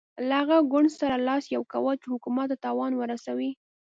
له هغه ګوند سره لاس یو کول چې حکومت ته تاوان ورسوي.